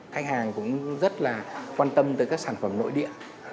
khách hàng cũng rất là quan tâm tới các sản phẩm nội địa